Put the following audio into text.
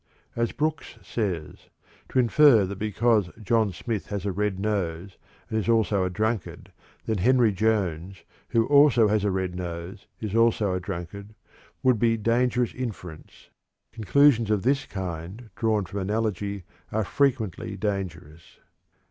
As Brooks says: "To infer that because John Smith has a red nose and is also a drunkard, then Henry Jones, who also has a red nose, is also a drunkard, would be dangerous inference. Conclusions of this kind drawn from analogy are frequently dangerous."